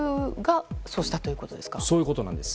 そういうことです。